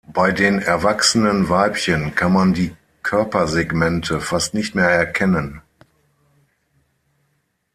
Bei den erwachsenen Weibchen kann man die Körpersegmente fast nicht mehr erkennen.